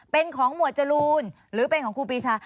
เป็นของหมวดจรูนหรือเป็นของครูปีชา